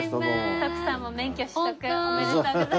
徳さんも免許取得おめでとうございます。